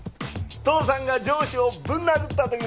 父さんが上司をぶん殴った時の話も。